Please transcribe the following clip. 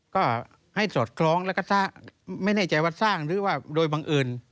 ก็ให้สอดคล้องแล้วก็ไม่แน่ใจว่าสร้างหรือว่าโดยบังเอิญ